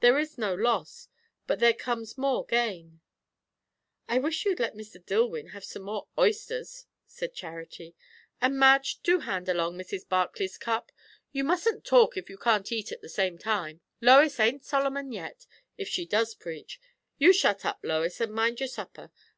There is no loss, but there comes more gain." "I wish you'd let Mr. Dillwyn have some more oysters," said Charity; "and, Madge, do hand along Mrs. Barclay's cup. You mustn't talk, if you can't eat at the same time. Lois ain't Solomon yet, if she does preach. You shut up, Lois, and mind your supper.